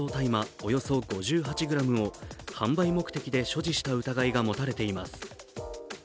およそ５８ｇを販売目的で所持した疑いが持たれています。